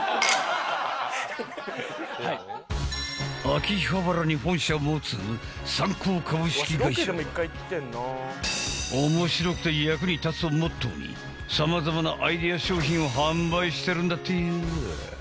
秋葉原に本社を持つサンコー株式会社は面白くて役に立つをモットーに様々なアイデア商品を販売してるんだってよ。